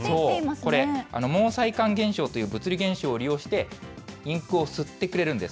これ、毛細管現象という物理現象を利用して、インクを吸ってくれるんです。